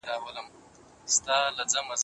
حیا د نجلۍ ښکلا ده.